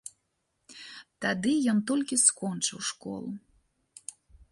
Тады ён толькі скончыў школу.